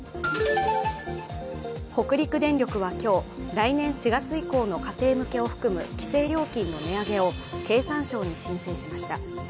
北陸電力は今日、来年４月以降の家庭向けを含む規制料金の値上げを経産省に申請しました。